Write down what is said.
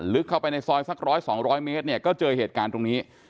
เข้าไปในซอยสัก๑๐๐๒๐๐เมตรเนี่ยก็เจอเหตุการณ์ตรงนี้